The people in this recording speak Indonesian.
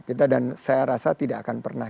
kita dan saya rasa tidak akan pernah